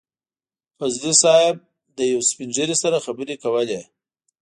فضلي صیب له يو سپين ږيري سره خبرې کولې.